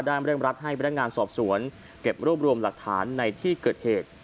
เร่งรัดให้พนักงานสอบสวนเก็บรวบรวมหลักฐานในที่เกิดเหตุ